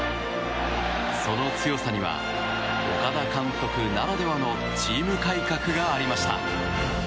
その強さには岡田監督ならではのチーム改革がありました。